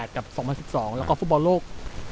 ๒๐๐๘กับ๒๐๑๒แล้วก็ฟุตบอลโลก๒๐๑๐